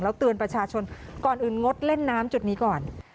เตือนประชาชนก่อนอื่นงดเล่นน้ำจุดนี้ก่อน